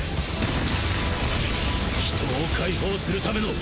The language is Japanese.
人を解放する為の！